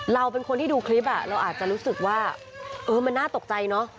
เราเป็นคนที่ดูคลิปเราอาจจะรู้สึกว่าเออมันน่าตกใจเนอะ